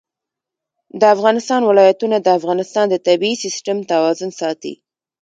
د افغانستان ولايتونه د افغانستان د طبعي سیسټم توازن ساتي.